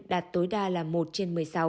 đạt tối đa là một trên một mươi sáu